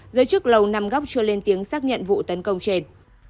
giới chức lầu năm góc chưa lên tiếng xác nhận vụ tấn công trên